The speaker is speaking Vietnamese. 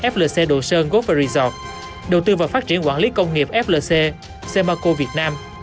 flc đồ sơn gover resort đầu tư vào phát triển quản lý công nghiệp flc semaco việt nam